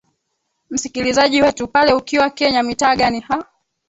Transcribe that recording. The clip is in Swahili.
msikilizaji wetu pale ukiwa kenya mitaa gani ha